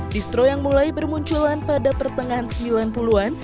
distro yang mulai bermunculan pada pertengahan sembilan puluh an